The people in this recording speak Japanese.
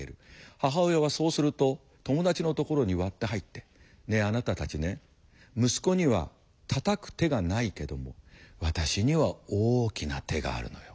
母親はそうすると友達のところに割って入って「ねえあなたたちね息子にはたたく手がないけども私には大きな手があるのよ。